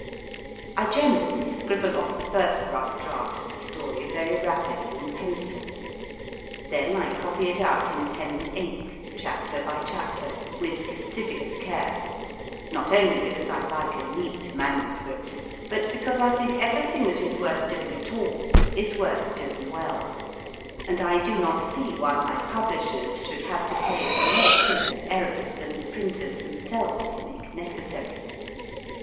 I gene rally scribble off the first rough draft of a story very rapidly in pencil ; then I copy it out in pen and ink, chapter by chapter, with fastidious care, not only because I like a neat manuscript, but because I think everything that is worth doing at all is worth doing well ; and I do not see why my publishers should have to pay for more printers errors than the printers them selves make necessary.